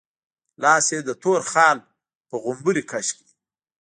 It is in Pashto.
لاس يې د تور خال په غومبري کش کړ.